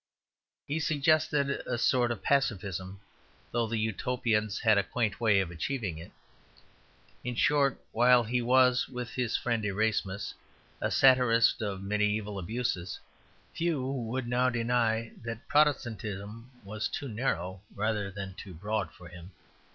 He suggested a sort of pacifism though the Utopians had a quaint way of achieving it. In short, while he was, with his friend Erasmus, a satirist of mediæval abuses, few would now deny that Protestantism would be too narrow rather than too broad for him.